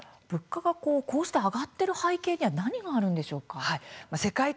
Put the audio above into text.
物価が上がっている背景には何があるんでしょうか？